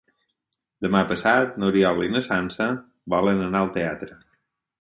Demà passat n'Oriol i na Sança volen anar al teatre.